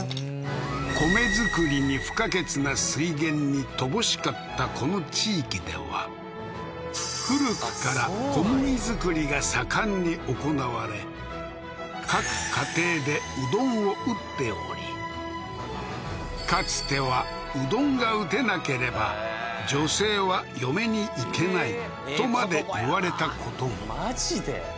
米作りに不可欠な水源に乏しかったこの地域では古くから小麦作りが盛んに行われ各家庭でうどんを打っておりかつてはうどんが打てなければ女性は嫁に行けないとまで言われたこともマジで？